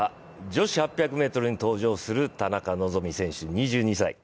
女子８００ｍに登場する田中希実選手、２２歳。